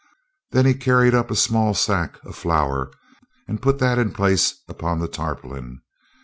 Then he carried up a small sack of flour and put that in place upon the tarpaulin.